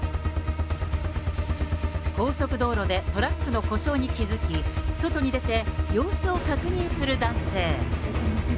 高速道路でトラックの故障に気付き、外に出て、様子を確認する男性。